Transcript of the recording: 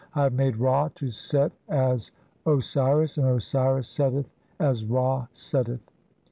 I have "made Ra to set as Osiris, and Osiris setteth as Ra "setteth".